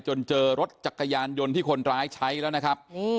เจอรถจักรยานยนต์ที่คนร้ายใช้แล้วนะครับ